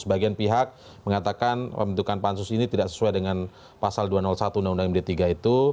sebagian pihak mengatakan pembentukan pansus ini tidak sesuai dengan pasal dua ratus satu undang undang md tiga itu